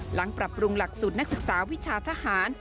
ปรับปรุงหลักสูตรนักศึกษาวิชาทหาร